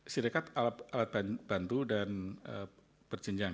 sirekat alat bantu dan berjenjang